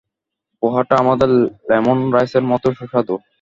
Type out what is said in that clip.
পোহাটা আমাদের লেমন রাইসের মতোই সুস্বাদু।